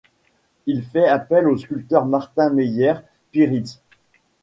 Il fait appel au sculpteur Martin Meyer-Pyritz.